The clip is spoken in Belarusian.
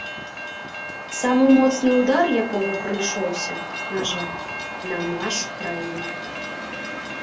Самы моцны ўдар якога прыйшоўся, на жаль, на нашу краіну.